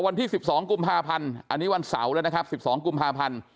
วันที่๑๒กุมภาพันธ์อันนี้วันเสาร์แล้วนะครับ๑๒กุมภาพันธ์